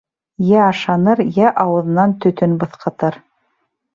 — Йә ашаныр, йә ауыҙынан төтөн быҫҡытыр.